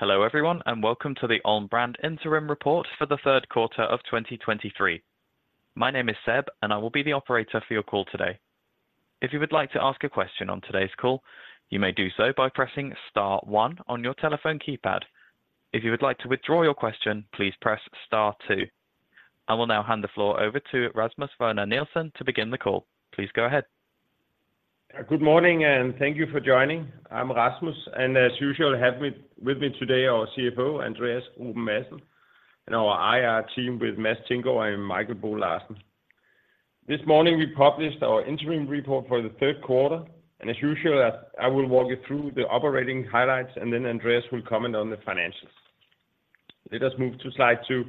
Hello, everyone, and welcome to the Alm. Brand Interim Report for the third quarter of 2023. My name is Seb, and I will be the operator for your call today. If you would like to ask a question on today's call, you may do so by pressing star one on your telephone keypad. If you would like to withdraw your question, please press star two. I will now hand the floor over to Rasmus Werner Nielsen to begin the call. Please go ahead. Good morning, and thank you for joining. I'm Rasmus, and as usual, I have with me today our CFO, Andreas Ruben Madsen, and our IR team with Mads Thinggaard and Mikael Bo Larsen. This morning, we published our interim report for the third quarter, and as usual, I will walk you through the operating highlights, and then Andreas will comment on the financials. Let us move to slide two.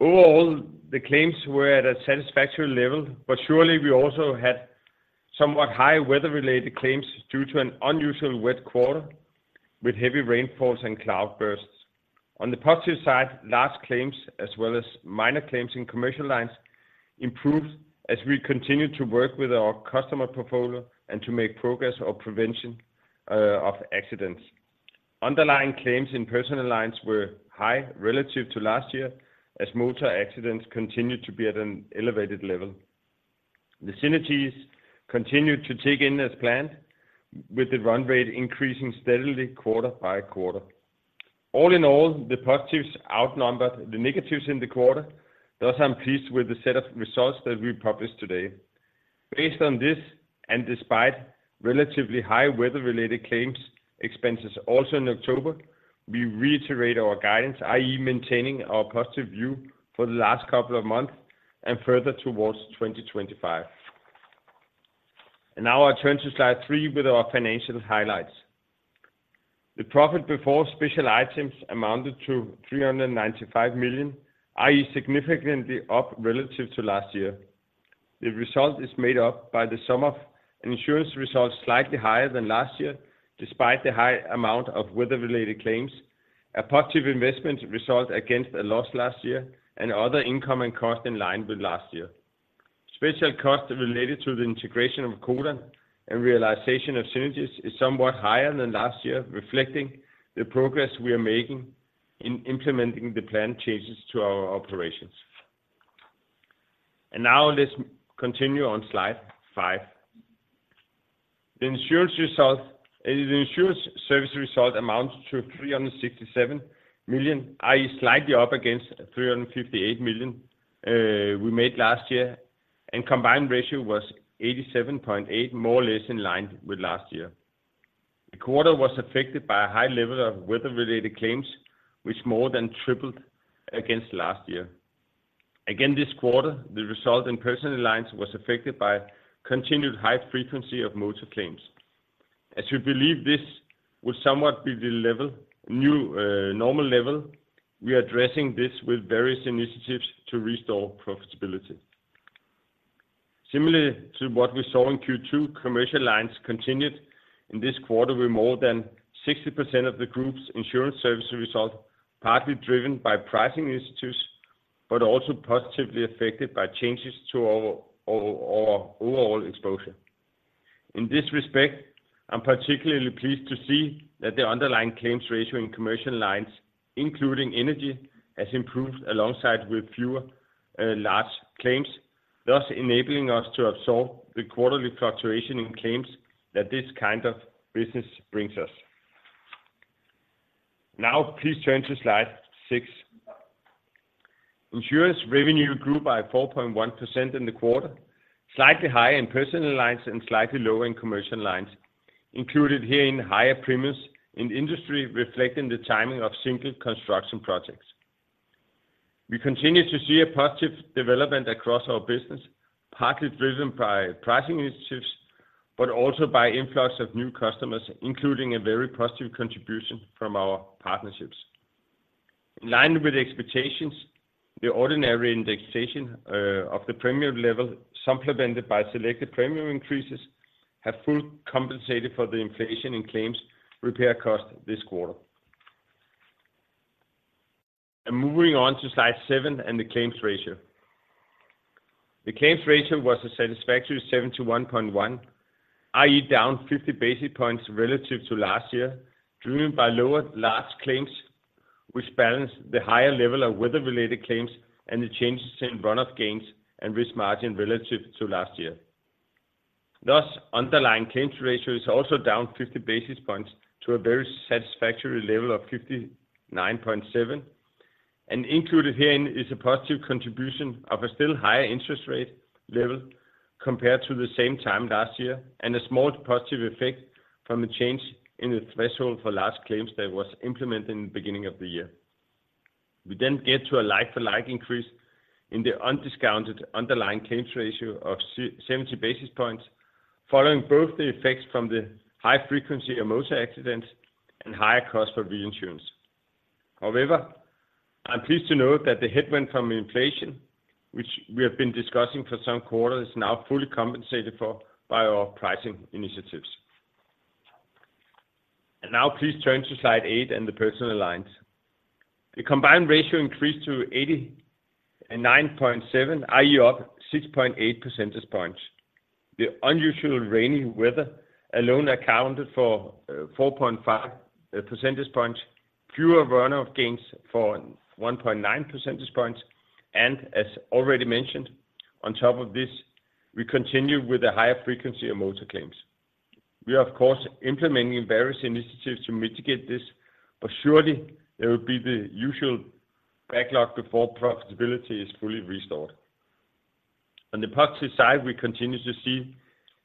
Overall, the claims were at a satisfactory level, but surely we also had somewhat high weather-related claims due to an unusual wet quarter with heavy rainfalls and cloud bursts. On the positive side, large claims as well as minor claims in commercial lines improved as we continued to work with our customer portfolio and to make progress of prevention, of accidents. Underlying claims in personal lines were high relative to last year, as motor accidents continued to be at an elevated level. The synergies continued to take in as planned, with the run rate increasing steadily quarter by quarter. All in all, the positives outnumbered the negatives in the quarter, thus, I'm pleased with the set of results that we published today. Based on this, and despite relatively high weather-related claims expenses also in October, we reiterate our guidance, i.e., maintaining our positive view for the last couple of months and further towards 2025. And now I turn to slide three with our financial highlights. The profit before special items amounted to 395 million, i.e., significantly up relative to last year. The result is made up by the sum of insurance results slightly higher than last year, despite the high amount of weather-related claims, a positive investment result against a loss last year and other income and cost in line with last year. Special costs related to the integration of Codan and realization of synergies is somewhat higher than last year, reflecting the progress we are making in implementing the planned changes to our operations. And now let's continue on slide five. The insurance result, the insurance service result amounts to 367 million, i.e., slightly up against 358 million we made last year, and combined ratio was 87.8, more or less in line with last year. The quarter was affected by a high level of weather-related claims, which more than tripled against last year. Again, this quarter, the result in personal lines was affected by continued high frequency of motor claims. As we believe this will somewhat be the level, new normal level, we are addressing this with various initiatives to restore profitability. Similarly to what we saw in Q2, commercial lines continued in this quarter with more than 60% of the group's insurance service result, partly driven by pricing initiatives, but also positively affected by changes to our overall exposure. In this respect, I'm particularly pleased to see that the underlying claims ratio in commercial lines, including energy, has improved alongside with fewer large claims, thus enabling us to absorb the quarterly fluctuation in claims that this kind of business brings us. Now, please turn to slide six. Insurance revenue grew by 4.1% in the quarter, slightly higher in personal lines and slightly lower in commercial lines, including higher premiums in industry, reflecting the timing of single construction projects. We continue to see a positive development across our business, partly driven by pricing initiatives, but also by influx of new customers, including a very positive contribution from our partnerships. In line with expectations, the ordinary indexation, of the premium level, supplemented by selected premium increases, have fully compensated for the inflation in claims repair cost this quarter. Moving on to slide seven and the claims ratio. The claims ratio was a satisfactory 71.1, i.e., down 50 basis points relative to last year, driven by lower large claims, which balanced the higher level of weather-related claims and the changes in run-off gains and risk margin relative to last year. Thus, underlying claims ratio is also down 50 basis points to a very satisfactory level of 59.7 basis points, and included herein is a positive contribution of a still higher interest rate level compared to the same time last year, and a small positive effect from a change in the threshold for large claims that was implemented in the beginning of the year. We then get to a like-for-like increase in the undiscounted underlying claims ratio of 70 basis points, following both the effects from the high frequency of motor accidents and higher cost for reinsurance. However, I'm pleased to note that the headwind from inflation, which we have been discussing for some quarters, is now fully compensated for by our pricing initiatives. And now please turn to slide eight and the personal lines.... The combined ratio increased to 89.7, i.e., up 6.8 percentage points. The unusual rainy weather alone accounted for 4.5 percentage points, fewer runoff gains for 1.9 percentage points. And as already mentioned, on top of this, we continue with a higher frequency of motor claims. We are, of course, implementing various initiatives to mitigate this, but surely there will be the usual backlog before profitability is fully restored. On the positive side, we continue to see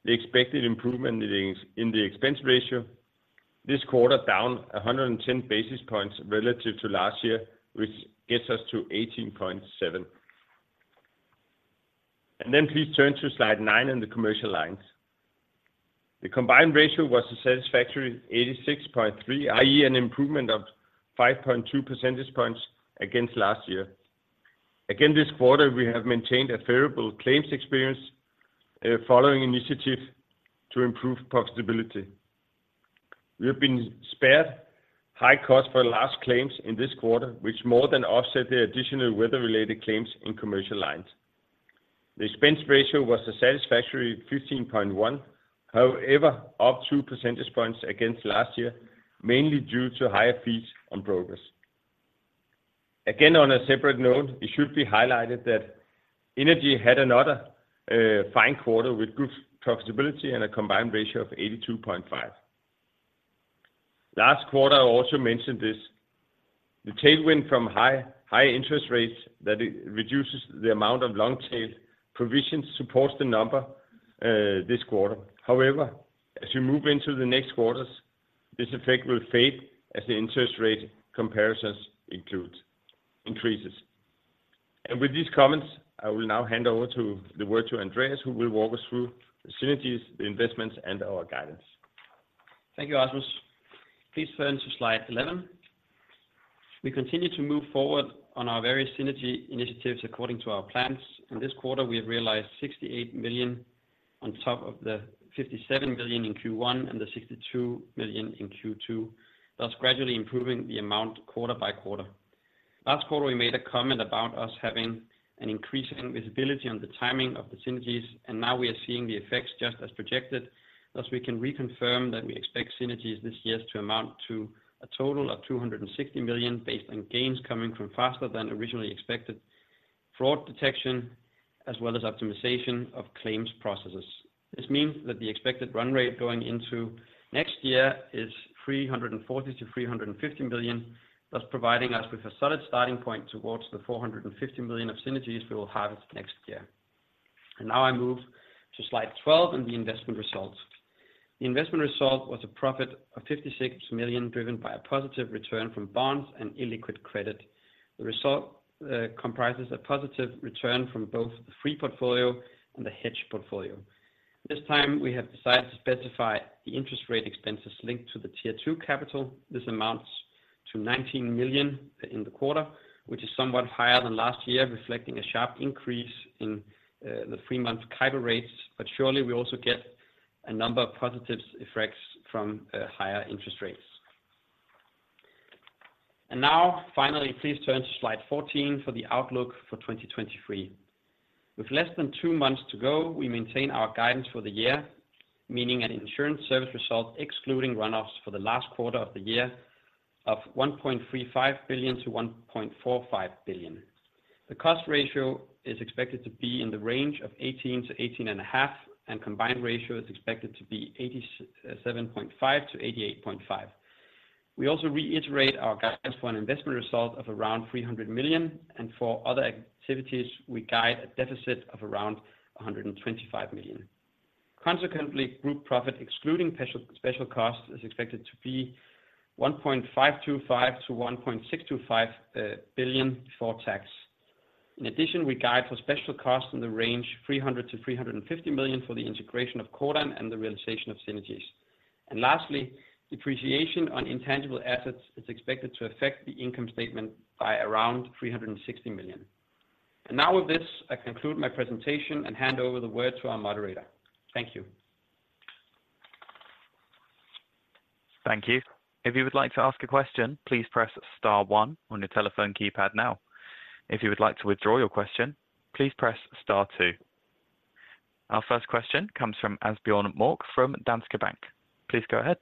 the expected improvement in the expense ratio. This quarter, down 110 basis points relative to last year, which gets us to 18.7 basis points. And then please turn to slide nine in the commercial lines. The combined ratio was a satisfactory 86.3, i.e., an improvement of 5.2 percentage points against last year. Again, this quarter, we have maintained a favorable claims experience, following initiative to improve profitability. We have been spared high cost for large claims in this quarter, which more than offset the additional weather-related claims in commercial lines. The expense ratio was a satisfactory 15.1%, however, up two percentage points against last year, mainly due to higher fees on progress. Again, on a separate note, it should be highlighted that energy had another, fine quarter with good profitability and a combined ratio of 82.5%. Last quarter, I also mentioned this, the tailwind from high, high interest rates that it reduces the amount of long tail. Provisions supports the number, this quarter. However, as you move into the next quarters, this effect will fade as the interest rate comparisons includes increases. With these comments, I will now hand over the word to Andreas, who will walk us through the synergies, the investments, and our guidance. Thank you, Rasmus. Please turn to Slide 11. We continue to move forward on our various synergy initiatives according to our plans. In this quarter, we have realized 68 million on top of the 57 million in Q1 and the 62 million in Q2, thus gradually improving the amount quarter by quarter. Last quarter, we made a comment about us having an increasing visibility on the timing of the synergies, and now we are seeing the effects just as projected. Thus, we can reconfirm that we expect synergies this year to amount to a total of 260 million, based on gains coming from faster than originally expected fraud detection, as well as optimization of claims processes. This means that the expected run rate going into next year is 340 million-350 million, thus providing us with a solid starting point towards the 450 million of synergies we will harvest next year. Now I move to Slide 12 and the investment results. The investment result was a profit of 56 million, driven by a positive return from bonds and illiquid credit. The result comprises a positive return from both the free portfolio and the hedge portfolio. This time, we have decided to specify the interest rate expenses linked to the Tier 2 capital. This amounts to 19 million in the quarter, which is somewhat higher than last year, reflecting a sharp increase in the three-month CIBOR rates. But surely, we also get a number of positive effects from higher interest rates. And now, finally, please turn to Slide 14 for the outlook for 2023. With less than two months to go, we maintain our guidance for the year, meaning an insurance service result, excluding runoffs for the last quarter of the year of 1.35 billion-1.45 billion. The cost ratio is expected to be in the range of 18%-18.5%, and combined ratio is expected to be 87.5%-88.5%. We also reiterate our guidance for an investment result of around 300 million, and for other activities, we guide a deficit of around 125 million. Consequently, group profit, excluding special costs, is expected to be 1.525 billion-1.625 billion before tax. In addition, we guide for special costs in the range 300 million-350 million for the integration of Codan and the realization of synergies. Lastly, depreciation on intangible assets is expected to affect the income statement by around 360 million. Now with this, I conclude my presentation and hand over the word to our moderator. Thank you. Thank you. If you would like to ask a question, please press star one on your telephone keypad now. If you would like to withdraw your question, please press star two. Our first question comes from Asbjørn Mørk, from Danske Bank. Please go ahead.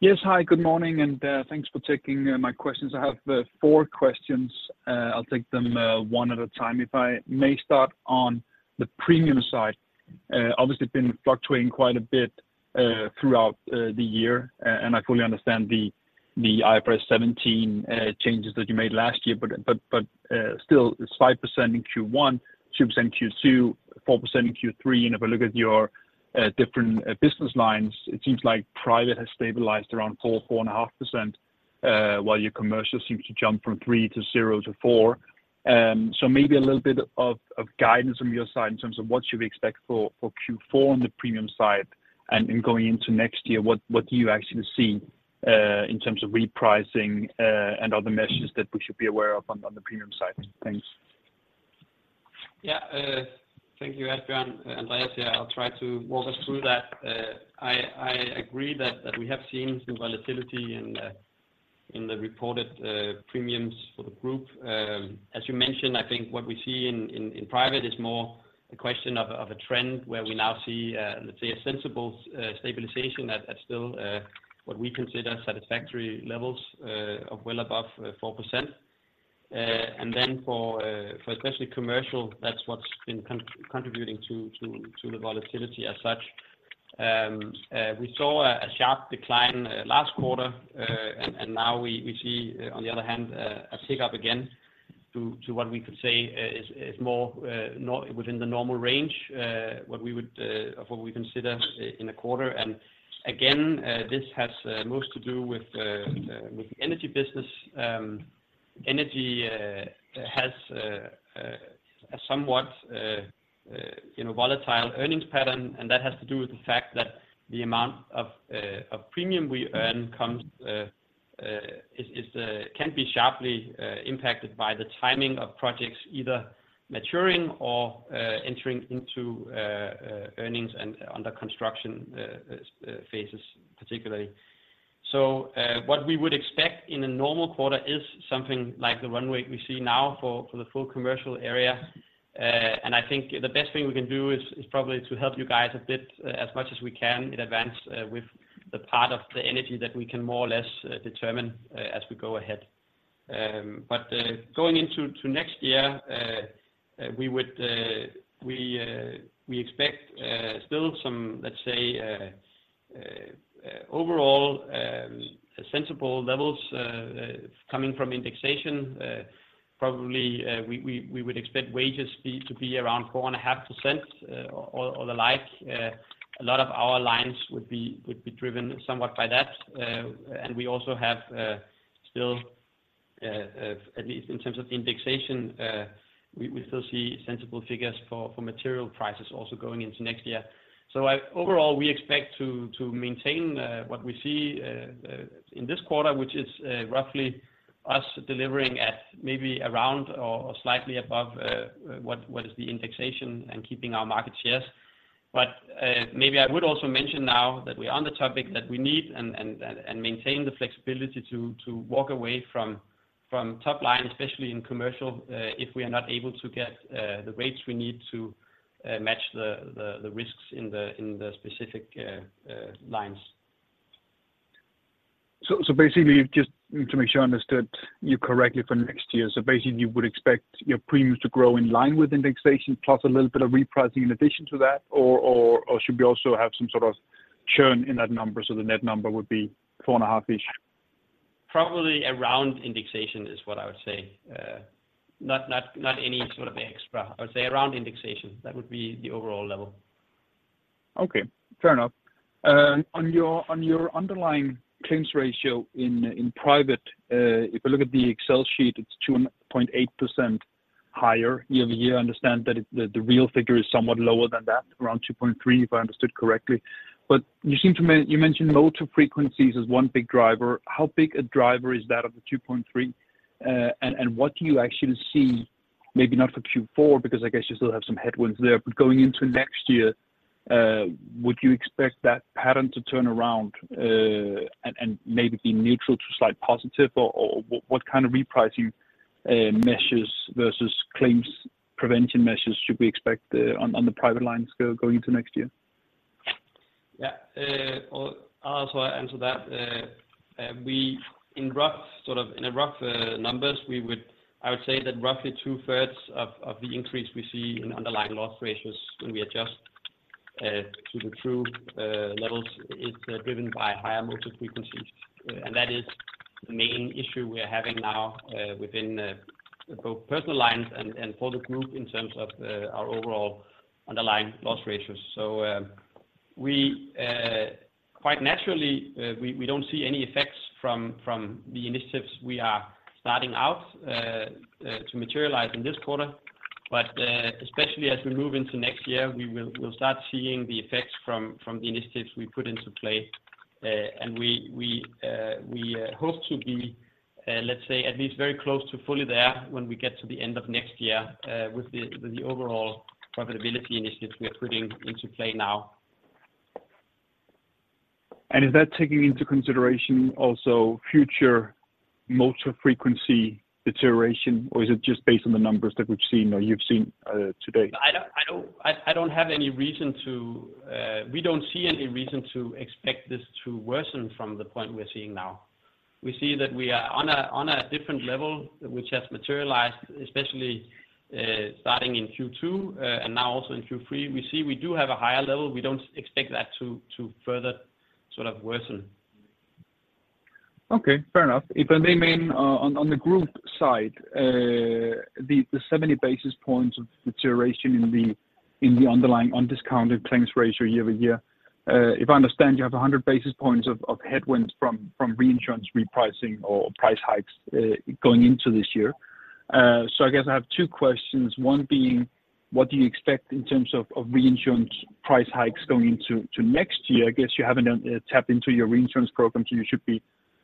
Yes, hi, good morning, and thanks for taking my questions. I have four questions. I'll take them one at a time. If I may start on the premium side. Obviously been fluctuating quite a bit throughout the year, and I fully understand the IFRS 17 changes that you made last year. But, but, but, still, it's 5% in Q1, 2% in Q2, 4% in Q3. And if I look at your different business lines, it seems like private has stabilized around 4%, 4.5%, while your commercial seems to jump from 3% to 0% to 4%. So maybe a little bit of guidance on your side in terms of what should we expect for Q4 on the premium side and in going into next year, what do you actually see in terms of repricing and other measures that we should be aware of on the premium side? Thanks.... Yeah, thank you, Asbjørn. Last year, I'll try to walk us through that. I agree that we have seen some volatility in the reported premiums for the group. As you mentioned, I think what we see in private is more a question of a trend where we now see, let's say, a sensible stabilization at still what we consider satisfactory levels of well above 4%. And then for especially commercial, that's what's been contributing to the volatility as such. We saw a sharp decline last quarter. And now we see, on the other hand, a pick up again to what we could say is more normal within the normal range, what we would of what we consider in a quarter. And again, this has most to do with the energy business. Energy has a somewhat, you know, volatile earnings pattern, and that has to do with the fact that the amount of premium we earn can be sharply impacted by the timing of projects, either maturing or entering into earnings and under construction phases, particularly. So, what we would expect in a normal quarter is something like the one we see now for the full commercial area. And I think the best thing we can do is probably to help you guys a bit, as much as we can in advance, with the part of the energy that we can more or less determine, as we go ahead. But going into next year, we would expect still some, let's say, overall sensible levels coming from indexation. Probably, we would expect wages to be around 4.5%, or the like. A lot of our lines would be driven somewhat by that. And we also have still, at least in terms of indexation, we still see sensible figures for material prices also going into next year. So overall, we expect to maintain what we see in this quarter, which is roughly us delivering at maybe around or slightly above what is the indexation and keeping our market shares. But maybe I would also mention now that we are on the topic that we need to maintain the flexibility to walk away from top line, especially in commercial, if we are not able to get the rates we need to match the risks in the specific lines. So basically, just to make sure I understood you correctly for next year. So basically, you would expect your premiums to grow in line with indexation, plus a little bit of repricing in addition to that, or should we also have some sort of churn in that number, so the net number would be 4.5-ish? Probably around indexation is what I would say. Not any sort of extra. I would say around indexation, that would be the overall level. Okay, fair enough. On your underlying claims ratio in private, if I look at the Excel sheet, it's 2.8% higher year-over-year. I understand that the real figure is somewhat lower than that, around 2.3%, if I understood correctly. But you seem to mention motor frequencies as one big driver. How big a driver is that of the 2.3%? And what do you actually see, maybe not for Q4, because I guess you still have some headwinds there, but going into next year, would you expect that pattern to turn around, and maybe be neutral to slight positive? Or what kind of repricing measures versus claims prevention measures should we expect on the private lines going into next year? Yeah, well, I'll also answer that. In rough, sort of, in a rough numbers, I would say that roughly 2/3 of the increase we see in underlying loss ratios when we adjust to the true levels is driven by higher motor frequencies. And that is the main issue we are having now within both personal lines and for the group in terms of our overall underlying loss ratios. So, quite naturally, we don't see any effects from the initiatives we are starting out to materialize in this quarter. But, especially as we move into next year, we'll start seeing the effects from the initiatives we put into play. And we hope to be, let's say, at least very close to fully there when we get to the end of next year, with the overall profitability initiatives we are putting into play now. Is that taking into consideration also future motor frequency deterioration, or is it just based on the numbers that we've seen or you've seen, today? I don't have any reason to. We don't see any reason to expect this to worsen from the point we're seeing now. We see that we are on a different level, which has materialized, especially, starting in Q2, and now also in Q3. We see we do have a higher level. We don't expect that to further sort of worsen. Okay, fair enough. If I may, on the group side, the 70 basis points of deterioration in the underlying undiscounted claims ratio year-over-year, if I understand, you have 100 basis points of headwinds from reinsurance repricing or price hikes, going into this year. So I guess I have two questions. One being, what do you expect in terms of reinsurance price hikes going into next year? I guess you haven't tapped into your reinsurance program, so you should be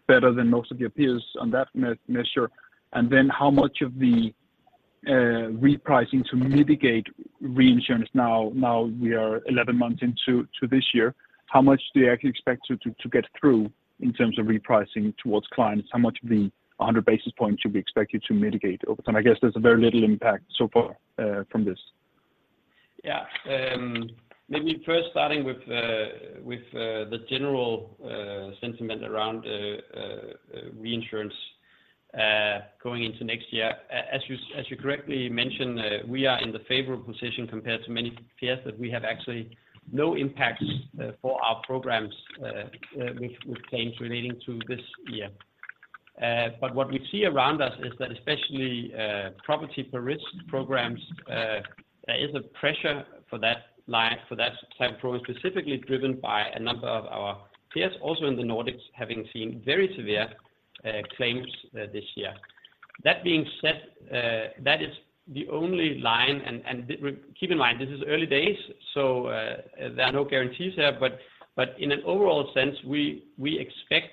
better than most of your peers on that measure, and then how much of the repricing to mitigate reinsurance now we are 11 months into this year, how much do you actually expect to get through in terms of repricing towards clients? How much of the 100 basis points should we expect you to mitigate over time? I guess there's very little impact so far, from this. Yeah. Maybe first starting with the general sentiment around reinsurance going into next year. As you correctly mentioned, we are in the favorable position compared to many peers that we have actually no impacts for our programs with claims relating to this year. But what we see around us is that especially property per risk programs there is a pressure for that line, for that type of program, specifically driven by a number of our peers, also in the Nordics, having seen very severe claims this year. That being said, that is the only line, and keep in mind, this is early days, so there are no guarantees there. In an overall sense, we expect,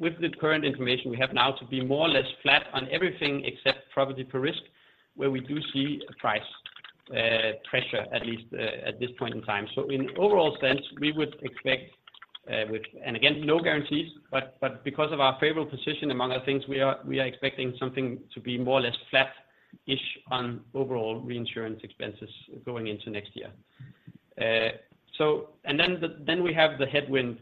with the current information we have now, to be more or less flat on everything except property per risk, where we do see a price pressure, at least at this point in time. In an overall sense, we would expect and again, no guarantees, but because of our favorable position, among other things, we are expecting something to be more or less flat-ish on overall reinsurance expenses going into next year. And then we have the headwind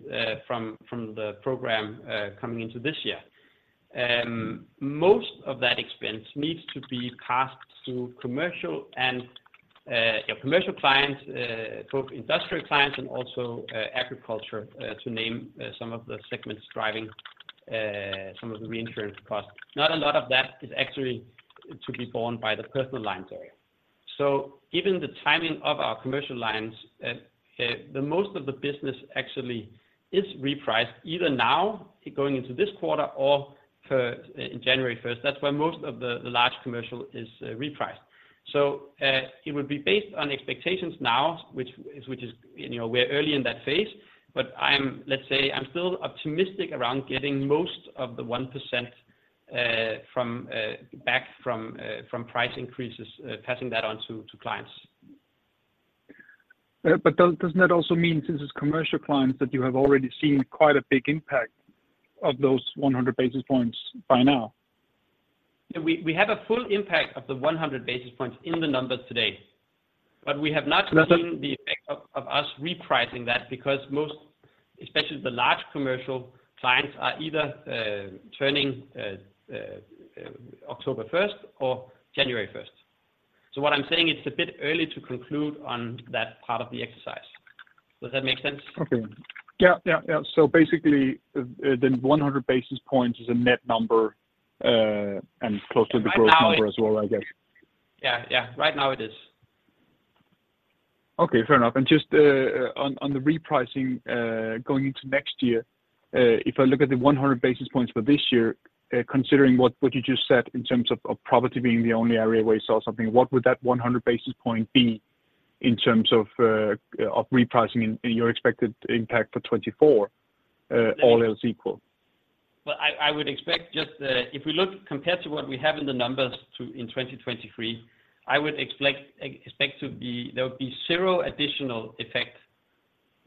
from the program coming into this year. Most of that expense needs to be passed through commercial and commercial clients, both industrial clients and also agriculture, to name some of the segments driving some of the reinsurance costs. Not a lot of that is actually to be borne by the personal lines area. So given the timing of our commercial lines, the most of the business actually is repriced, either now, going into this quarter, or for January first. That's where most of the, the large commercial is, repriced. So, it would be based on expectations now, which is, which is, you know, we're early in that phase, but I'm, let's say, I'm still optimistic around getting most of the 1%, from, back from, from price increases, passing that on to, to clients. But does, doesn't that also mean, since it's commercial clients, that you have already seen quite a big impact of those 100 basis points by now? Yeah, we, we have a full impact of the 100 basis points in the numbers today, but we have not seen- Nothing- the effect of us repricing that, because most, especially the large commercial clients, are either turning October first or January first. So what I'm saying, it's a bit early to conclude on that part of the exercise. Does that make sense? Okay. Yeah, yeah, yeah. So basically, then 100 basis points is a net number, and close to the growth number- Right now it— As well, I guess. Yeah, yeah. Right now it is. Okay, fair enough. And just on the repricing going into next year, if I look at the 100 basis points for this year, considering what you just said in terms of property being the only area where you saw something, what would that 100 basis point be in terms of repricing in your expected impact for 2024, all else equal? Well, I would expect just, if we look compared to what we have in the numbers to, in 2023, I would expect to be- there would be zero additional effect,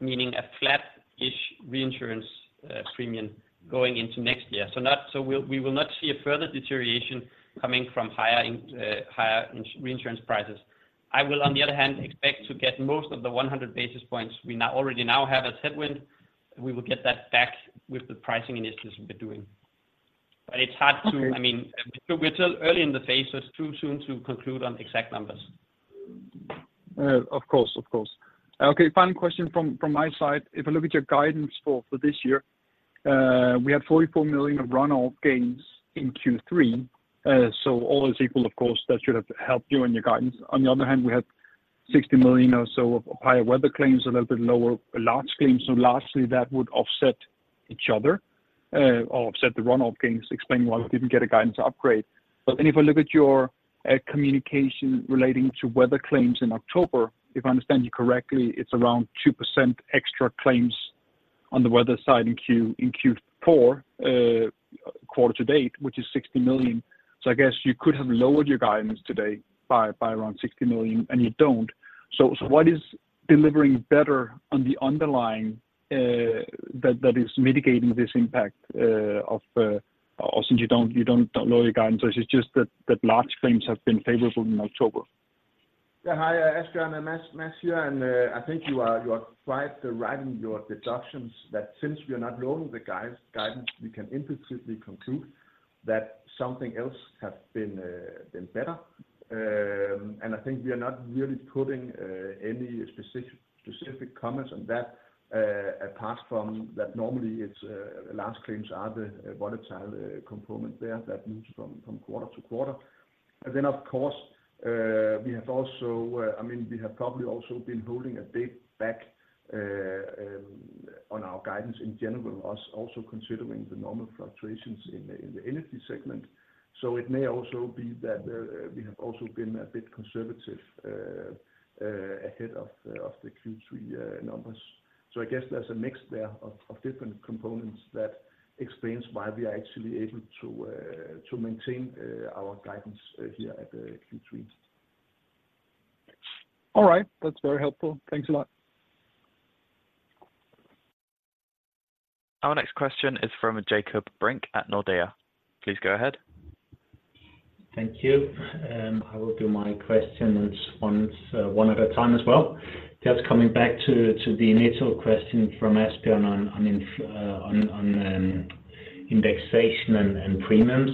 meaning a flat-ish reinsurance premium going into next year. So not, so we will not see a further deterioration coming from higher reinsurance prices. I will, on the other hand, expect to get most of the 100 basis points we now, already now have as headwind, we will get that back with the pricing initiatives we're doing. But it's hard to- Okay. I mean, we're still early in the phase, so it's too soon to conclude on exact numbers. Of course, of course. Okay, final question from my side. If I look at your guidance for this year, we had 44 million of run-off gains in Q3. So all is equal, of course, that should have helped you in your guidance. On the other hand, we had 60 million or so of higher weather claims, a little bit lower large claims. So lastly, that would offset each other, or offset the run-off gains, explaining why we didn't get a guidance upgrade. But then if I look at your communication relating to weather claims in October, if I understand you correctly, it's around 2% extra claims on the weather side in Q4 quarter to date, which is 60 million. So I guess you could have lowered your guidance today by around 60 million, and you don't. So, what is delivering better on the underlying, that is mitigating this impact of... or since you don't lower your guidance, so it's just that large claims have been favorable in October? Yeah, hi, Asbjørn, and I think you are quite right in your deductions that since we are not lowering the guidance, we can implicitly conclude that something else has been better. And I think we are not really putting any specific comments on that, apart from that normally, it's large claims are the volatile component there that moves from quarter to quarter. And then, of course, we have also, I mean, we have probably also been holding a bit back on our guidance in general, us also considering the normal fluctuations in the energy segment. So it may also be that we have also been a bit conservative ahead of the Q3 numbers. I guess there's a mix there of different components that explains why we are actually able to maintain our guidance here at the Q3. All right. That's very helpful. Thanks a lot. Our next question is from Jakob Brink at Nordea. Please go ahead. Thank you. I will do my questions once, one at a time as well. Just coming back to the initial question from Asbjørn on indexation and premiums.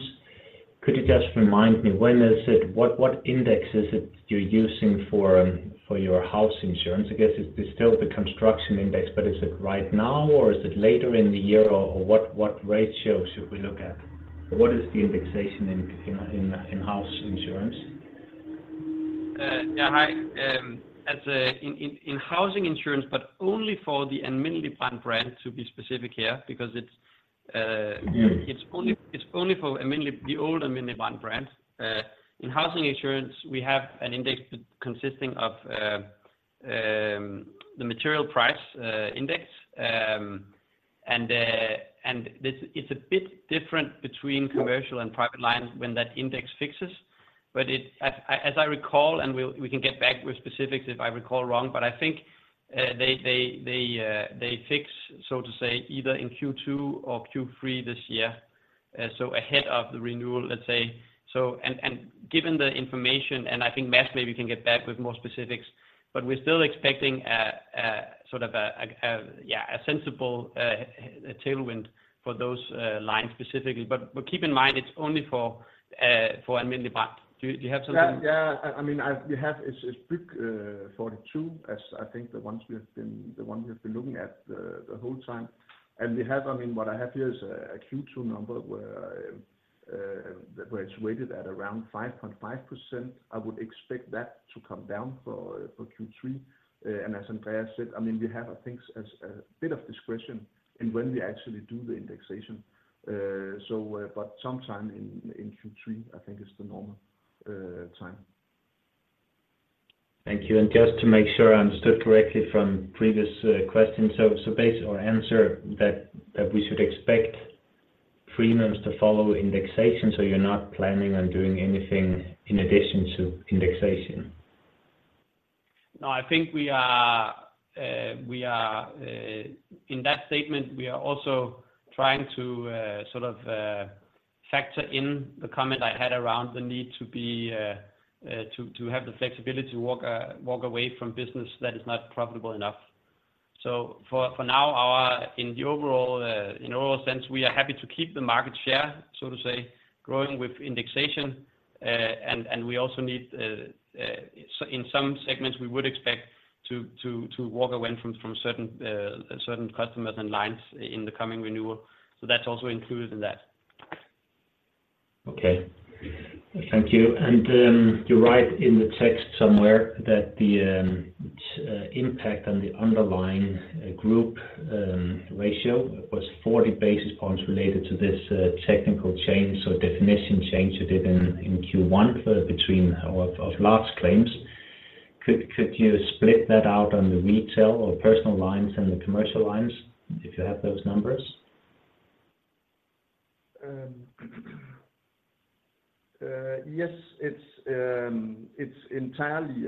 Could you just remind me, when is it? What index is it you're using for your house insurance? I guess it's still the construction index, but is it right now, or is it later in the year, or what ratio should we look at? What is the indexation in house insurance? Yeah, hi. As in housing insurance, but only for the Alm. Brand, to be specific here, because it's, Mm-hmm... it's only for Alm. Brand, the old Alm. Brand. In housing insurance, we have an index consisting of the material price index. And this, it's a bit different between commercial and private lines when that index fixes. But it, as I recall, and we'll, we can get back with specifics if I recall wrong, but I think they fix, so to say, either in Q2 or Q3 this year. So ahead of the renewal, let's say. So, and given the information, and I think, Mads, maybe you can get back with more specifics, but we're still expecting a sort of a, yeah, a sensible tailwind for those lines specifically. But keep in mind, it's only for Alm. Brand. Do you have something? Yeah. Yeah. I mean, we have, it's BYG42, as I think, the one we have been looking at the whole time. And we have, I mean, what I have here is a Q2 number, where it's weighted at around 5.5%. I would expect that to come down for Q3. And as Andreas said, I mean, we have, I think, a bit of discretion in when we actually do the indexation. So, but sometime in Q3, I think is the normal time. Thank you. Just to make sure I understood correctly from previous question. So based on answer that we should expect premiums to follow indexation, so you're not planning on doing anything in addition to indexation? No, I think we are in that statement. We are also trying to sort of factor in the comment I had around the need to be to have the flexibility to walk away from business that is not profitable enough. So for now, in the overall sense, we are happy to keep the market share, so to say, growing with indexation. And we also need, so in some segments, we would expect to walk away from certain customers and lines in the coming renewal. So that's also included in that. Okay. Thank you. You write in the text somewhere that the impact on the underlying claims ratio was 40 basis points related to this technical change, so definition change you did in Q1 for the definition of large claims. Could you split that out on the retail or personal lines and the commercial lines, if you have those numbers? Yes, it's entirely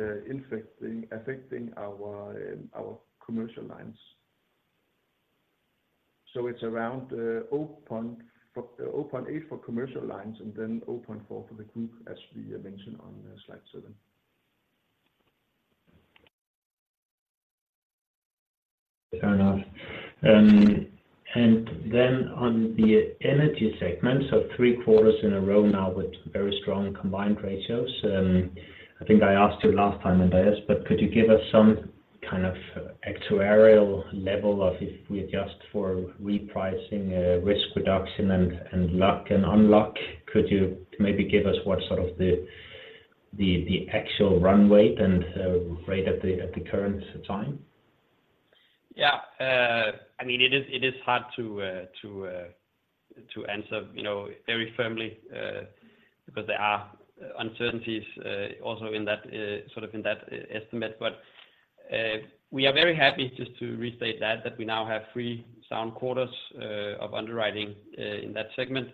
affecting our commercial lines. So it's around 8% for commercial lines, and then 4% for the group, as we mentioned on slide seven. Fair enough. And then on the energy segment, so three quarters in a row now with very strong combined ratios. I think I asked you last time, Andreas, but could you give us some kind of actuarial level of if we adjust for repricing, risk reduction and, and luck and unluck? Could you maybe give us what sort of the actual run weight and rate at the current time? Yeah. I mean, it is hard to answer, you know, very firmly, because there are uncertainties also in that sort of in that estimate. But we are very happy just to restate that we now have three sound quarters of underwriting in that segment.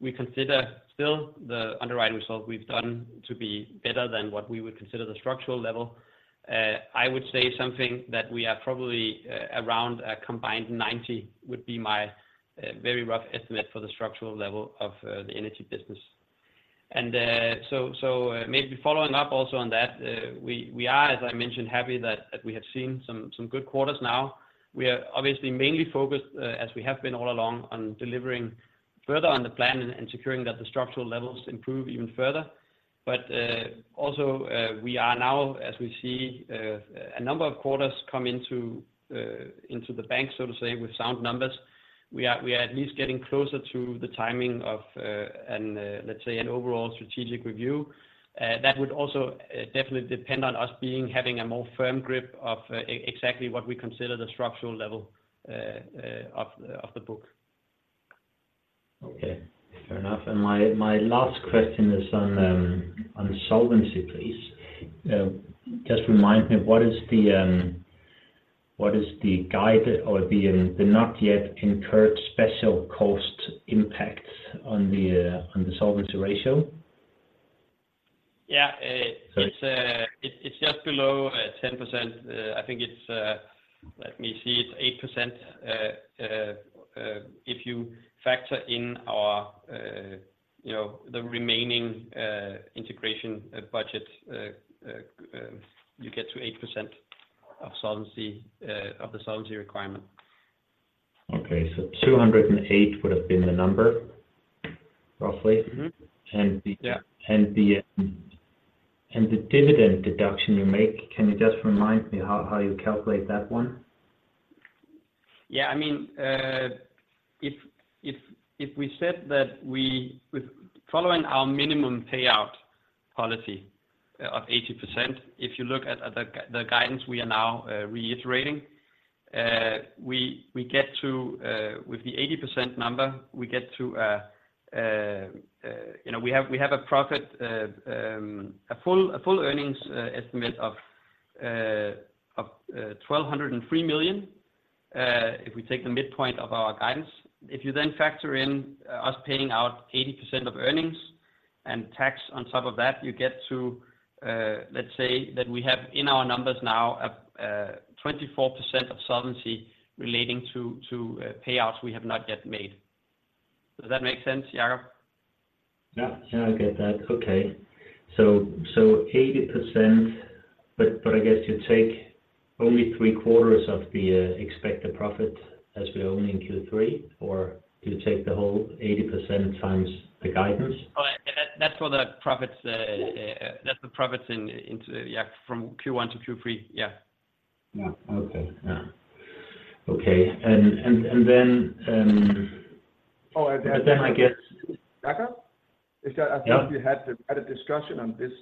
We consider still the underwriting result we've done to be better than what we would consider the structural level. I would say something that we are probably around a combined 90, would be my very rough estimate for the structural level of the energy business. And so maybe following up also on that, we are, as I mentioned, happy that we have seen some good quarters now. We are obviously mainly focused, as we have been all along, on delivering further on the plan and securing that the structural levels improve even further. But also, we are now, as we see, a number of quarters come into the bank, so to say, with sound numbers. We are at least getting closer to the timing of, and let's say, an overall strategic review. That would also definitely depend on us being, having a more firm grip of exactly what we consider the structural level of the book.... Okay, fair enough. And my, my last question is on, on solvency, please. Just remind me, what is the, what is the guide or the, the not yet incurred special cost impact on the, on the solvency ratio? Yeah, it's just below 10%. I think it's, let me see, it's 8%. If you factor in our, you know, the remaining integration budget, you get to 8% of solvency, of the solvency requirement. Okay. So 208 would have been the number, roughly? Mm-hmm. Yeah. The dividend deduction you make, can you just remind me how you calculate that one? Yeah. I mean, if we said that we—with following our minimum payout policy of 80%, if you look at the guidance we are now reiterating, we get to, with the 80% number, we get to, you know, we have a profit, a full earnings estimate of 1,203 million, if we take the midpoint of our guidance. If you then factor in us paying out 80% of earnings and tax on top of that, you get to, let's say that we have in our numbers now, a 24% of solvency relating to payouts we have not yet made. Does that make sense, Jakob? Yeah. Yeah, I get that. Okay. So, so 80%, but, but I guess you take only three quarters of the expected profit as we own in Q3, or do you take the whole 80% times the guidance? Oh, that, that's for the profits. That's the profits. Yeah, from Q1 to Q3. Yeah. Yeah. Okay. Yeah. Okay. And then, Oh, and then- And then I guess- Jacob? Yeah. I think we had a discussion on this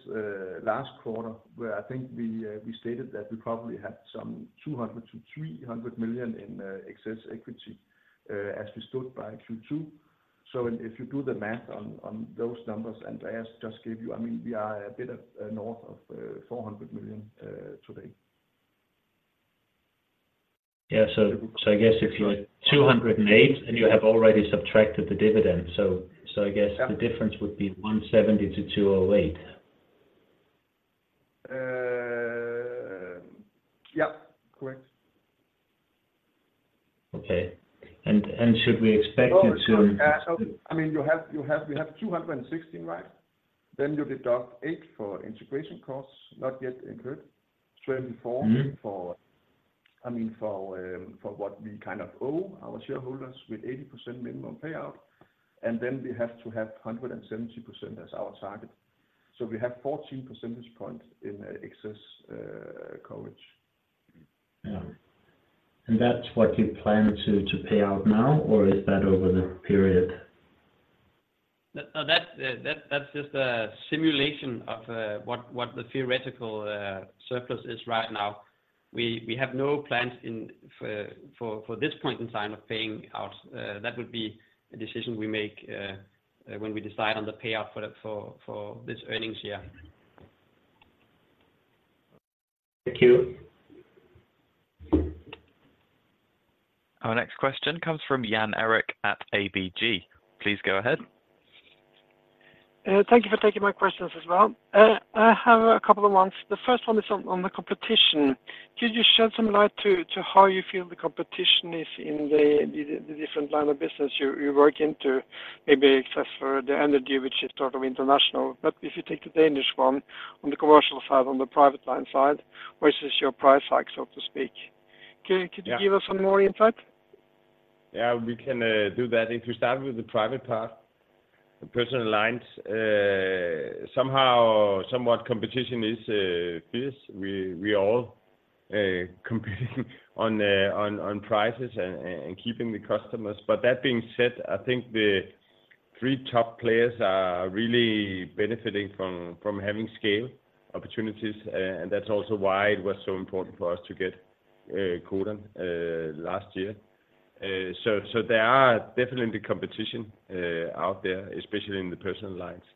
last quarter, where I think we stated that we probably had some 200 million-300 million in excess equity as we stood by Q2. So if you do the math on those numbers, and I just gave you, I mean, we are a bit north of 400 million today. Yeah. So, I guess if you're 208, and you have already subtracted the dividend, so, I guess- Yeah... the difference would be 170-208. Yep, correct. Okay. And should we expect you to- So, I mean, you have, you have, we have 216, right? Then you deduct 8 for integration costs, not yet incurred. 24- Mm-hmm... for, I mean, for what we kind of owe our shareholders with 80% minimum payout, and then we have to have 170% as our target. So we have 14 percentage points in excess coverage. Yeah. And that's what you plan to pay out now, or is that over the period? That's just a simulation of what the theoretical surplus is right now. We have no plans for this point in time of paying out. That would be a decision we make when we decide on the payout for this earnings year. Thank you. Our next question comes from Jan Erik at ABG. Please go ahead. Thank you for taking my questions as well. I have a couple of ones. The first one is on the competition. Could you shed some light to how you feel the competition is in the different line of business you work into? Maybe except for the energy, which is sort of international, but if you take the Danish one, on the commercial side, on the private line side, where is your price hike, so to speak? Could you- Yeah... give us some more insight? Yeah, we can do that. If we start with the private part, the personal lines, somehow, somewhat competition is fierce. We all competing on prices and keeping the customers. But that being said, I think the three top players are really benefiting from having scale opportunities, and that's also why it was so important for us to get Codan last year. So there are definitely competition out there, especially in the personal lines.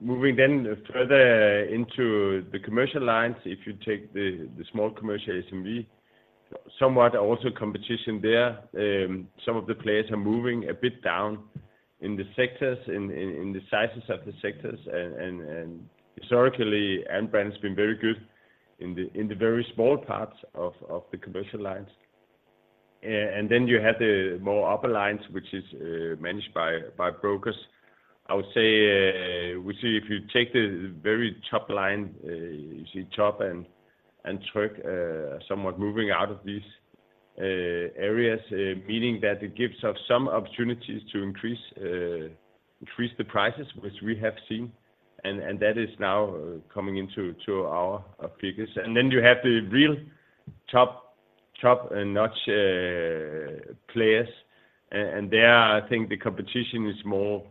Moving then further into the commercial lines, if you take the small commercial SMB, somewhat also competition there. Some of the players are moving a bit down in the sectors, in the sizes of the sectors. Historically, Alm. Brand has been very good in the very small parts of the commercial lines. And then you have the more upper lines, which is managed by brokers. I would say, which if you take the very top line, you see Tryg and Topdanmark somewhat moving out of these areas, meaning that it gives us some opportunities to increase the prices, which we have seen, and that is now coming into our figures. And then you have the real top-notch players, and there, I think the competition is more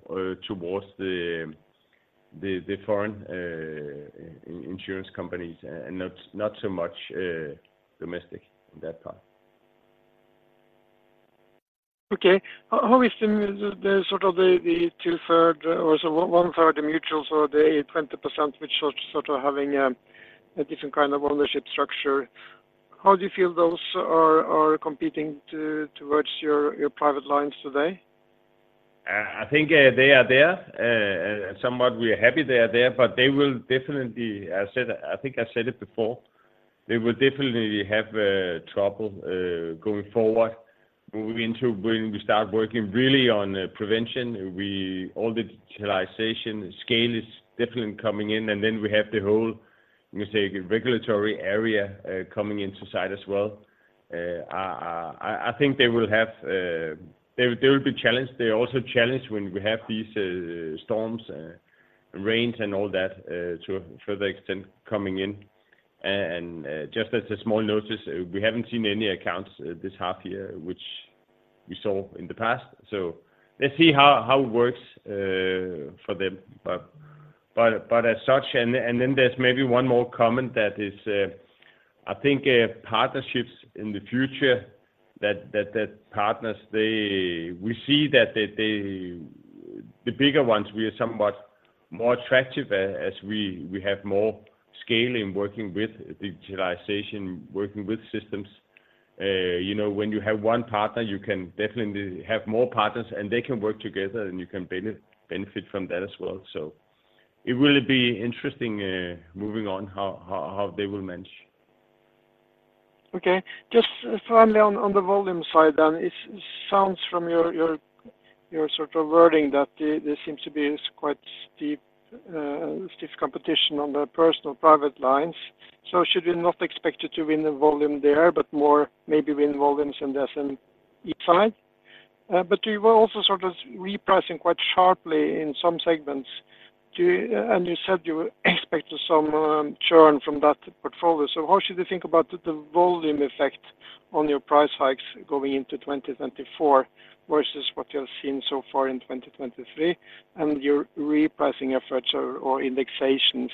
towards the foreign insurance companies and not so much domestic in that part. Okay. How is the sort of the two-thirds or so one-third, the mutual, so the 20%, which are sort of having a different kind of ownership structure. How do you feel those are competing towards your personal lines today? I think, they are there, and somewhat we are happy they are there, but they will definitely, I said—I think I said it before, they will definitely have trouble going forward. Moving into when we start working really on prevention, we all the digitalization scale is definitely coming in, and then we have the whole, you say, regulatory area coming into sight as well. I think they will have, they will be challenged. They are also challenged when we have these storms and rains and all that to a further extent coming in. And, just as a small notice, we haven't seen any accounts this half year, which we saw in the past. So let's see how it works for them. But as such, and then there's maybe one more comment that is, I think, partnerships in the future, partners, they... We see that they, the bigger ones, we are somewhat more attractive as we have more scale in working with digitalization, working with systems. You know, when you have one partner, you can definitely have more partners, and they can work together, and you can benefit from that as well. So it will be interesting moving on, how they will manage. Okay. Just finally on the volume side, then, it sounds from your sort of wording that there seems to be quite steep competition on the personal private lines. So should we not expect you to win the volume there, but more maybe win volume in the SME side? But you were also sort of repricing quite sharply in some segments. And you said you were expecting some churn from that portfolio. So how should we think about the volume effect on your price hikes going into 2024, versus what you have seen so far in 2023, and your repricing efforts or indexations?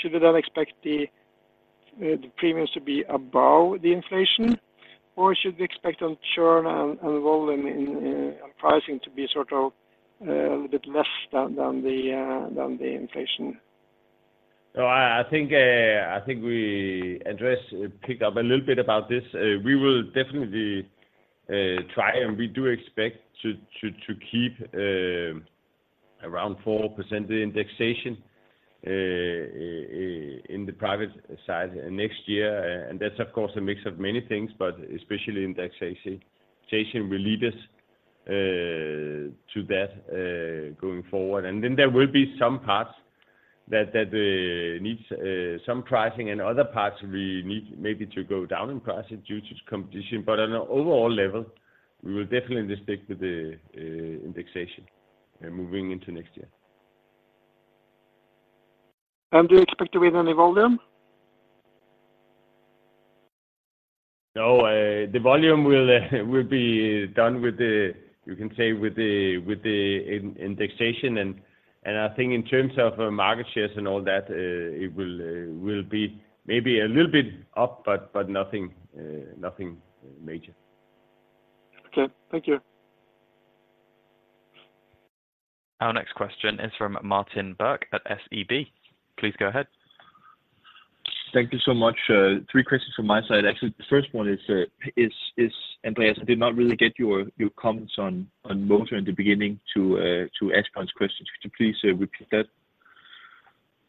Should we then expect the premiums to be above the inflation, or should we expect on churn and volume in on pricing to be sort of a little bit less than the inflation? So I think we address, pick up a little bit about this. We will definitely try, and we do expect to keep around 4% indexation in the private side next year. And that's, of course, a mix of many things, but especially indexation will lead us to that going forward. And then there will be some parts that needs some pricing, and other parts we need maybe to go down in pricing due to competition. But on an overall level, we will definitely stick to the indexation moving into next year. Do you expect to win any volume? No, the volume will be done with the, you can say, with the indexation. I think in terms of market shares and all that, it will be maybe a little bit up, but nothing major. Okay. Thank you. Our next question is from Martin Birk at SEB. Please go ahead. Thank you so much. Three questions from my side. Actually, the first one is, Andreas, I did not really get your comments on motor in the beginning to Asbjørn's questions. Could you please repeat that?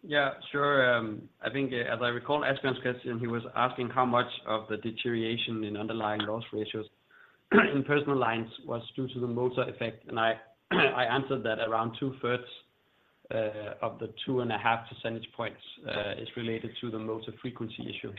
Yeah, sure. I think as I recall Asbjørn's question, he was asking how much of the deterioration in underlying loss ratios in personal lines was due to the motor effect. And I answered that around two-thirds of the 2.5 percentage points is related to the motor frequency issue.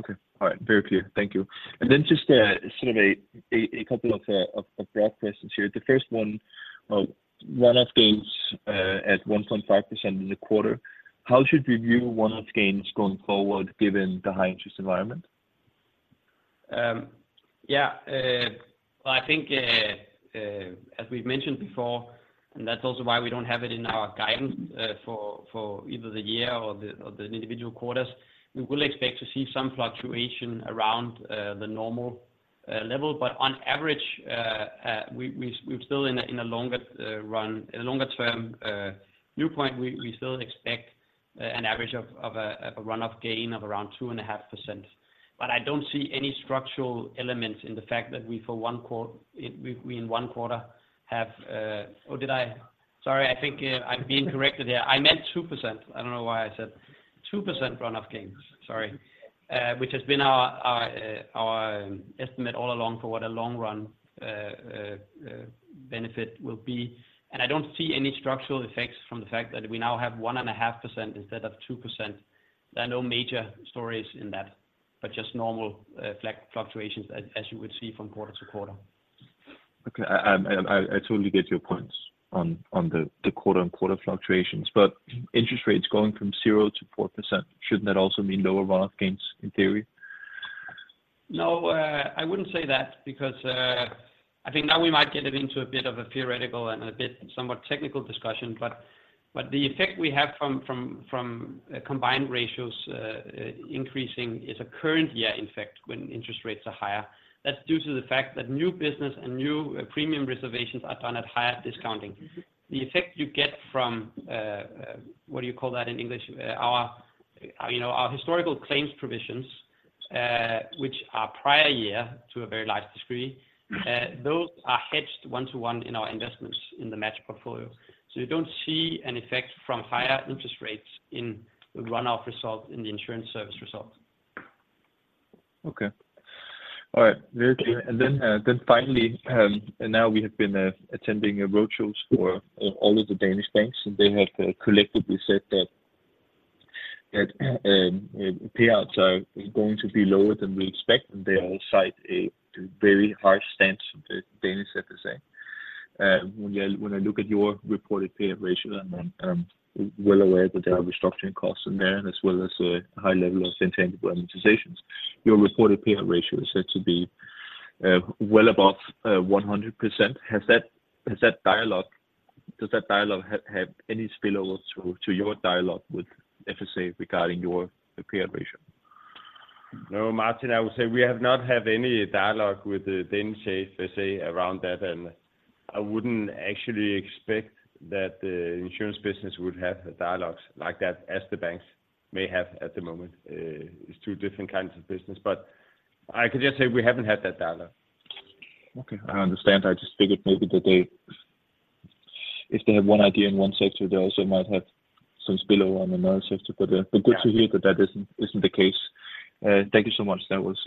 Okay. All right. Very clear. Thank you. And then just sort of a couple of broad questions here. The first one, one-off gains at 1.5% in the quarter. How should we view one-off gains going forward, given the high interest environment? Yeah, well, I think, as we've mentioned before, and that's also why we don't have it in our guidance for either the year or the individual quarters. We will expect to see some fluctuation around the normal level, but on average, we've still in a longer run, a longer-term viewpoint, we still expect an average of a run-off gain of around 2.5%. But I don't see any structural elements in the fact that we, for one quarter, in one quarter have... Oh, did I? Sorry, I think I'm being corrected here. I meant 2%. I don't know why I said 2% run-off gains. Sorry. which has been our estimate all along for what a long run benefit will be. I don't see any structural effects from the fact that we now have 1.5% instead of 2%. There are no major stories in that, but just normal fluctuations, as you would see from quarter to quarter. Okay, I totally get your points on the quarter and quarter fluctuations, but interest rates going from 0%-4%, shouldn't that also mean lower run-off gains in theory?... No, I wouldn't say that, because I think now we might get it into a bit of a theoretical and a bit somewhat technical discussion. But the effect we have from combined ratios increasing is a current year effect when interest rates are higher. That's due to the fact that new business and new premium reservations are done at higher discounting. The effect you get from what do you call that in English? Our, you know, our historical claims provisions, which are prior year to a very large degree, those are hedged one-to-one in our investments in the match portfolio. So you don't see an effect from higher interest rates in the run-off result, in the insurance service result. Okay. All right. Very clear. And then finally, now we have been attending road shows for all of the Danish banks, and they have collectively said that payouts are going to be lower than we expect, and they all cite a very harsh stance to Danish FSA. When I look at your reported payout ratio, and I'm well aware that there are restructuring costs in there, as well as a high level of sustainable amortizations, your reported payout ratio is said to be well above 100%. Does that dialogue have any spillover to your dialogue with FSA regarding your payout ratio? No, Martin, I would say we have not had any dialogue with the Danish FSA around that, and I wouldn't actually expect that the insurance business would have dialogues like that, as the banks may have at the moment. It's two different kinds of business, but I can just say we haven't had that dialogue. Okay, I understand. I just figured maybe that they, if they have one idea in one sector, they also might have some spill on another sector. But, but good to hear that that isn't, isn't the case. Thank you so much. That was,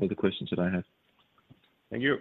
all the questions that I had. Thank you.